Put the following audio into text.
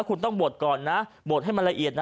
คุณต้องบวชก่อนนะบวชให้มันละเอียดนะ